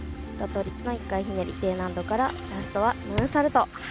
倒立の１回ひねりＤ難度からラストはムーンサルト。